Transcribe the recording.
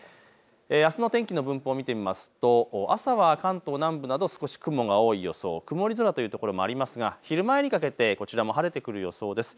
あすの天気の分布を見てみますと、朝は関東南部など少し雲が多い予想、曇り空というところもありますが昼前にかけてこちらも晴れてくる予想です。